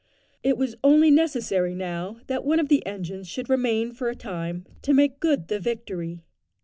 It was only necessary now, that one of the engines should remain for a time, to make good the victory.